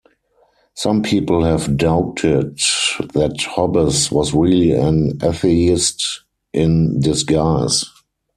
Some people have doubted that Hobbes was really an atheist in disguise.